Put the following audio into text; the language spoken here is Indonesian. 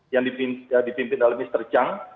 yang dipimpin oleh mr chang